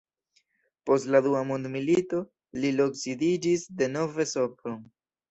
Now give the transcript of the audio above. Post la dua mondmilito li loksidiĝis denove en Sopron.